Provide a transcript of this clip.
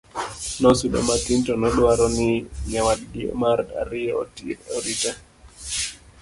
nosudo matin to nodwaro ni nyawadgi mar ariyo orite